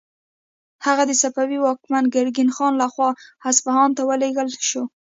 هغه د صفوي واکمن ګرګین خان لخوا اصفهان ته ولیږل شو.